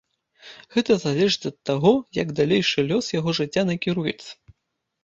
Гэта залежыць ад таго, як далейшы лёс яго жыцця накіруецца.